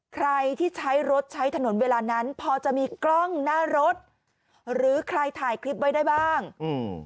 ใครที่ใช้รถใช้ถนนเวลานั้นพอจะมีกล้องหน้ารถหรือใครถ่ายคลิปไว้ได้บ้างอืม